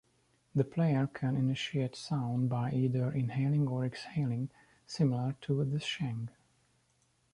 The player can initiate sound by either inhaling or exhaling, similar to the sheng.